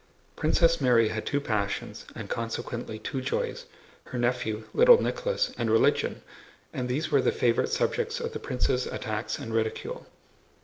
Princess Mary had two passions and consequently two joys—her nephew, little Nicholas, and religion—and these were the favorite subjects of the prince's attacks and ridicule.